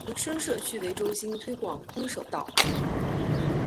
之后以台北民生社区为中心推广空手道。